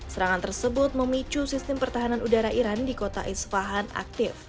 serangan tersebut memicu sistem pertahanan udara iran di kota isfahan aktif